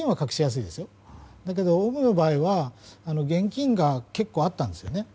だけどオウムの場合は現金が結構あったんですよね。